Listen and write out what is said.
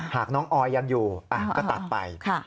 หากน้องออยยังอยู่ก็ตัดไป